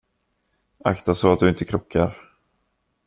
Akta så att du inte krockar.